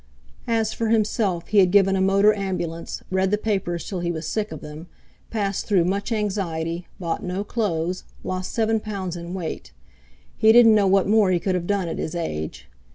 As for himself, he had given a motor ambulance, read the papers till he was sick of them, passed through much anxiety, bought no clothes, lost seven pounds in weight; he didn't know what more he could have done at his age.